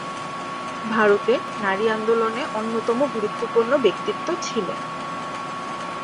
ভারতে নারী আন্দোলনে অন্যতম গুরুত্বপূর্ণ ব্যক্তিত্ব ছিলেন।